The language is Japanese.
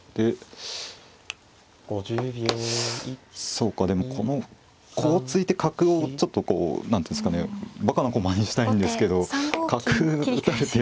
そうかでもこのこう突いて角をちょっと何ていうんですかねばかな駒にしたいんですけど角打たれて。